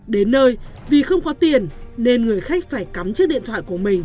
đến nơi vì không có tiền nên người khách phải cắm chiếc điện thoại của mình